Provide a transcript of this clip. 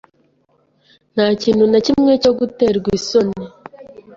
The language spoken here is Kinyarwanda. Ntakintu nakimwe cyo guterwa isoni.